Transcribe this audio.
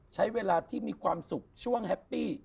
ใช้เวลาที่มีความสุขช่วงแฮปปี้